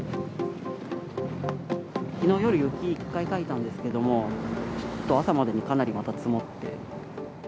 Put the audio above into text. きのうの夜、雪、一回かいたんですけども、ちょっと朝までにかなりまた積もって。